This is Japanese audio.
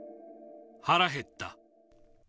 腹減った。